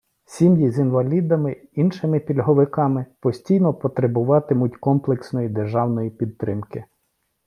Сім’ї з інвалідами, іншими пільговиками постійно потребуватимуть комплексної державної підтримки.